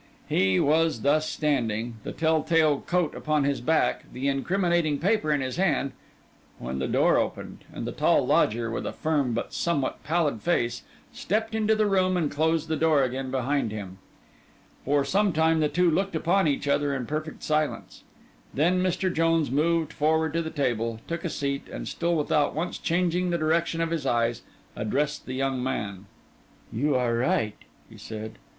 He was thus standing, the tell tale coat upon his back, the incriminating paper in his hand, when the door opened and the tall lodger, with a firm but somewhat pallid face, stepped into the room and closed the door again behind him. For some time, the two looked upon each other in perfect silence; then Mr. Jones moved forward to the table, took a seat, and still without once changing the direction of his eyes, addressed the young man. 'You are right,' he said.